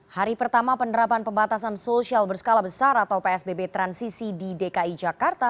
hari pertama penerapan pembatasan sosial berskala besar atau psbb transisi di dki jakarta